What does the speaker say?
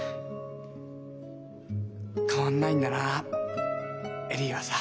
変わんないんだな恵里はさ。